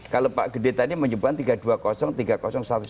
kalau pak gede tadi menyebutkan tiga dua tiga satu satu